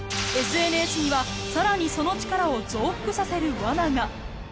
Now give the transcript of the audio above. ＳＮＳにはさらにその力を増幅させるワナが。